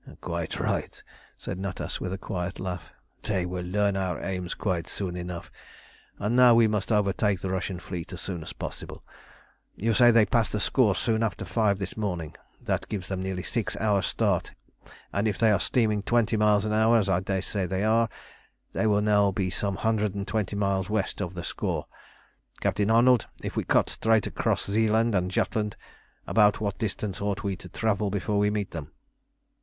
"Quite right," said Natas, with a quiet laugh. "They will learn our aims quite soon enough. And now we must overtake the Russian fleet as soon as possible. You say they passed the Skawe soon after five this morning. That gives them nearly six hours' start, and if they are steaming twenty miles an hour, as I daresay they are, they will now be some hundred and twenty miles west of the Skawe. Captain Arnold, if we cut straight across Zeeland and Jutland, about what distance ought we to travel before we meet them?"